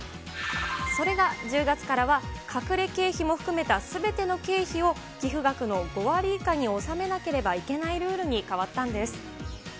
それが１０月からは、隠れ経費も含めたすべての経費を寄付額の５割以下に収めなければいけないルールに変わったんです。